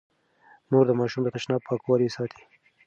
مور د ماشوم د تشناب پاکوالی ساتي.